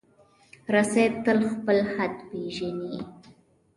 رسۍ تل خپل حد پېژني.